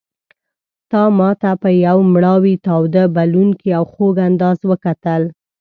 تا ماته په یو مړاوي تاوده بلوونکي او خوږ انداز وکتل.